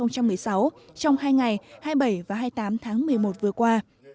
trong hai ngày hai mươi bảy và hai mươi tám tháng một mươi một vừa qua